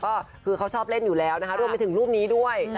ก็คือเขาชอบเล่นอยู่แล้วนะคะรวมไปถึงรูปนี้ด้วย